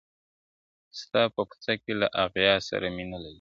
ستا په کوڅه کي له اغیار سره مي نه لګیږي٫